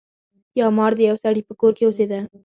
یو مار د یو سړي په کور کې اوسیده.